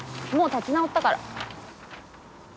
もう立ち直ったから。